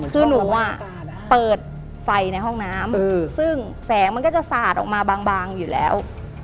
คือหนูเปิดไฟในห้องน้ำซึ่งแสงมันก็จะสาดออกมาบางอยู่แล้ว